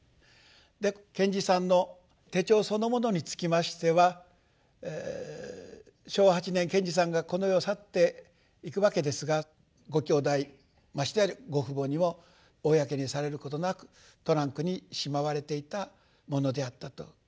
で賢治さんの手帳そのものにつきましては昭和８年賢治さんがこの世を去っていくわけですがごきょうだいましてご父母にも公にされることなくトランクにしまわれていたものであったと。